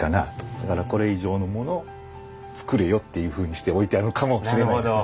だからこれ以上のものを作れよっていうふうにして置いてあるのかもしれませんね。